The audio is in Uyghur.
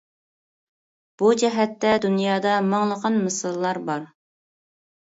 بۇ جەھەتتە دۇنيادا مىڭلىغان مىساللار بار.